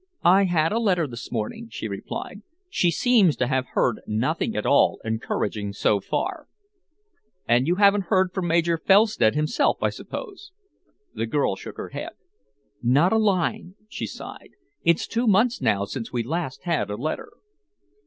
"I had a letter this morning," she replied. "She seems to have heard nothing at all encouraging so far." "And you haven't heard from Major Felstead himself, I suppose?" The girl shook her head. "Not a line," she sighed. "It's two months now since we last had a letter."